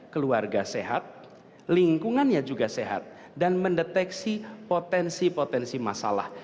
keluarga sehat lingkungannya juga sehat dan mendeteksi potensi potensi masalah